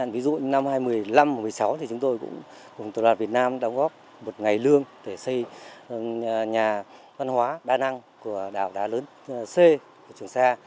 ví dụ năm hai nghìn một mươi năm hai nghìn một mươi sáu thì chúng tôi cũng cùng tổ đoàn việt nam đóng góp một ngày lương để xây nhà văn hóa đa năng của đảo đá lớn c trường xa